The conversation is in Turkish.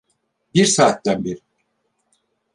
Bir saatten beri!